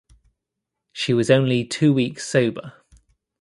She was only two weeks sober.